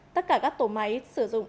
tất cả các tổ máy sử dụng